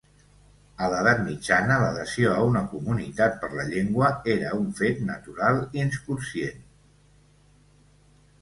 A l'Edat Mitjana, l'adhesió a una comunitat per la llengua era un fet natural, inconscient.